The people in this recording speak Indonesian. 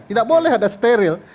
tidak boleh ada steril